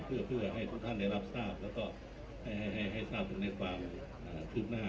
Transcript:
เพื่อให้ทุกท่านได้รับทราบแล้วก็ให้ทราบถึงในความคืบหน้า